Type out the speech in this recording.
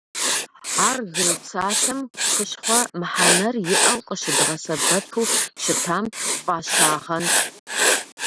Ар «гын» псалъэм «хущхъуэ» мыхьэнэр иӏэу къыщыдгъэсэбэпу щытам фӏащагъэнт.